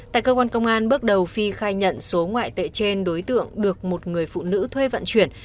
tại cơ quan công an bước đầu phi khai nhận số ngoại tệ trên đối tượng được một người phụ nữ thuê vận chuyển